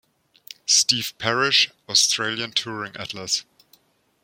Steve Parish: "Australian Touring Atlas".